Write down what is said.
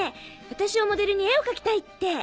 私をモデルに絵を描きたいって。